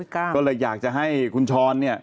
ก็เลยอยากจะให้คุณช้อนเนี่ย